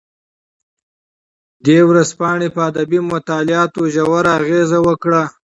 دې ژورنال په ادبي مطالعاتو ژور اغیز وکړ.